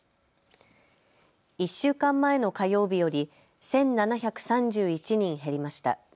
１週間前の火曜日より１７３１人減りました。